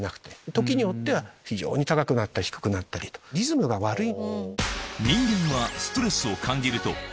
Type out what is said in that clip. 時によっては非常に高くなったり低くなったりとリズムが悪い。